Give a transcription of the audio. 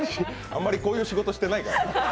あんまりこういう仕事してないから。